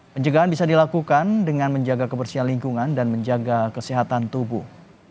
penjagaan bisa dilakukan dengan menjaga kebersihan lingkungan dan menjaga kesehatan tubuh